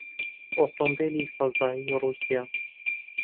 ئۆتۆمۆبیلی فەزای ڕووسیا